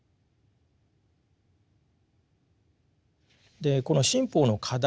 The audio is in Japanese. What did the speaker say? でこの新法の課題